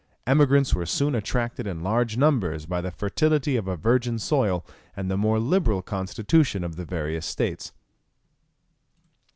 Emigrants were soon attracted in large numbers by the fertility of a virgin soil, and the more liberal constitution of the various states.